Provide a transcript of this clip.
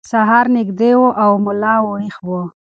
سهار نږدې و او ملا ویښ و.